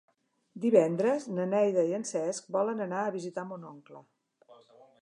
Divendres na Neida i en Cesc volen anar a visitar mon oncle.